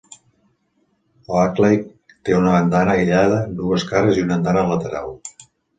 Oakleigh té una andana aïllada amb dues cares i una andana lateral.